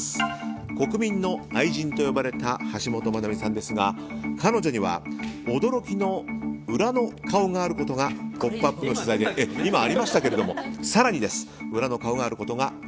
国民の愛人と呼ばれた橋本マナミさんですが彼女には驚きの裏の顔があることが「ポップＵＰ！」の取材で分かりました。